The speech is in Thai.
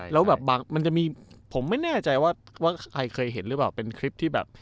แล้วไม่แน่ใจว่าใครเคยเห็นเป็นคลิป